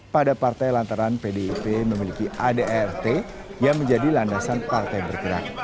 pada partai lantaran pdip memiliki adrt yang menjadi landasan partai bergerak